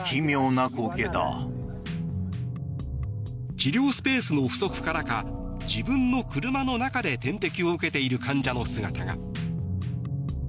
治療スペースの不足からか自分の車の中で点滴を受けている患者の姿が。